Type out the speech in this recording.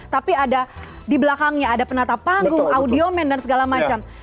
tapi ada di belakangnya ada penata panggung audio man dan segala macam